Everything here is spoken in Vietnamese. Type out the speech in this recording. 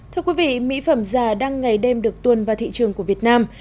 thưa quý vị mỹ phẩm già đang ngày đêm được tuân vào thị trường của việt nam